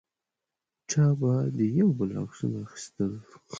چا به د یو بل عکسونه اخیستل.